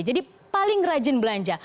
jadi paling rajin belanja